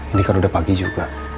ini kan udah pagi juga